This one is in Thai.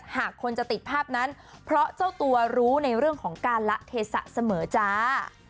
หากคนจะติดภาพนั้นเพราะเจ้าตัวรู้ในเรื่องของการละเทศะเสมอจ้า